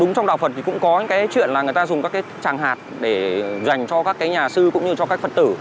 đúng trong đạo phật thì cũng có cái chuyện là người ta dùng các tràng hạt để dành cho các nhà sư cũng như cho các phật tử